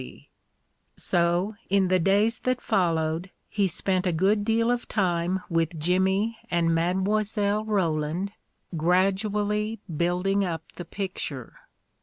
A KING IN BABYLON 83 So, in the days that followed, he spent a good deal of time with Jimmy and Mile. Roland, gradu ally building up the picture.